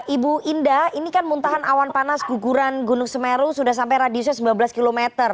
ibu indah ini kan muntahan awan panas guguran gunung semeru sudah sampai radiusnya sembilan belas km